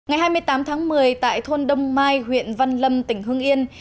ngày hai mươi tám tháng một mươi tại thôn đông mai huyện văn lâm tỉnh hương yên